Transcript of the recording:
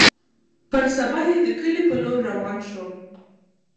پر سبا يې د کلي په لور روان سوم.